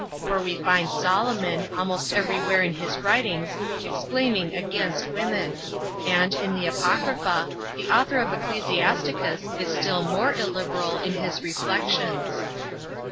For we find Solomon, almost every where in his writings, exclaiming against women; and, in the Apocrypha, the author of Ecclesiasticus is still more illiberal in his reflections.